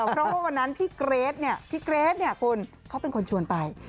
เพราะว่าวันนั้นพี่เกรซเนี่ยเขาเป็นคนชวนไป